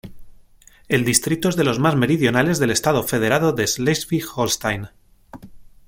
El distrito es de los más meridionales del estado federado de Schleswig-Holstein.